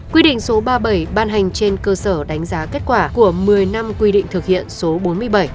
quy định số ba mươi bảy ban hành trên cơ sở đánh giá kết quả của một mươi năm quy định thực hiện số bốn mươi bảy